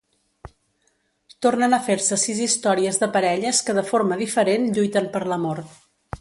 Tornen a fer-se sis històries de parelles que de forma diferent lluiten per l'amor.